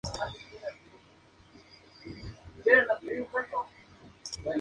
Se han descrito diversas formas de tratamiento.